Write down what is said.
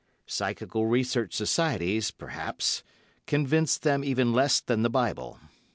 Psychical Research Societies, perhaps, convince them even less than the Bible.